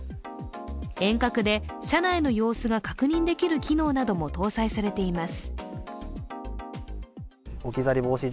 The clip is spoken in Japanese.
遠隔で車内の様子が確認できる機能なども搭載されています。